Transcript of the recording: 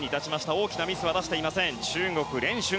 大きなミスは出していません。